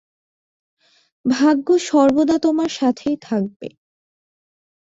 ভাগ্য সর্বদা তোমার সাথেই থাকবে।